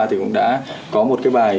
thì cũng đã có một cái bài